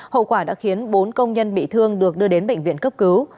hậu quả đã khiến bốn công nhân bị thương được đưa đến bệnh viện cấp cứu